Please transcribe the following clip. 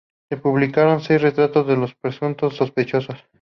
Se publicaron seis retratos de los presuntos sospechosos.